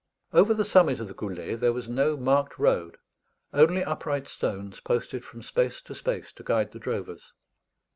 Over the summit of the Goulet there was no marked road only upright stones posted from space to space to guide the drovers.